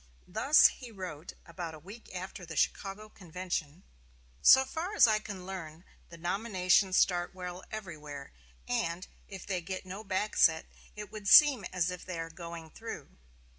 Thus he wrote about a week after the Chicago convention: "So far as I can learn, the nominations start well everywhere; and, if they get no backset, it would seem as if they are going through."